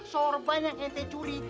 sorban yang ente curi